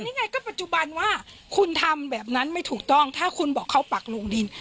นี่ไงก็ปัจจุบันว่าคุณทำแบบนั้นไม่ถูกต้องถ้าคุณบอกเขาปักลงดิน